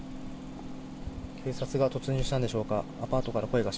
警察が突入したんでしょうか。